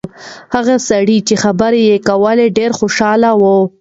هغه سړی چې خبرې یې کولې ډېر خوشاله و.